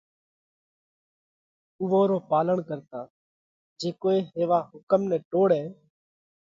اُوئون رو پالڻ ڪرتا جي ڪوئي ھيوا حُڪم نئہ ٽوڙتو